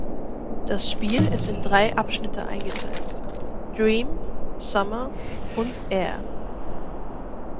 Das Spiel ist in drei Abschnitte eingeteilt: "Dream", "Summer" und "Air".